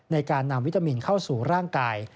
ในการนำวิตามินเข้าสู่ร่างกาย